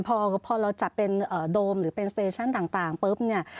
พอเราจัดเป็นโดมหรือเป็นนานตายังดัง